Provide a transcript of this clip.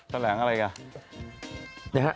แทรงอะไรกัน